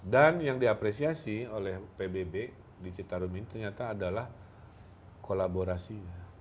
dan yang diapresiasi oleh pbb di citarun ini ternyata adalah kolaborasi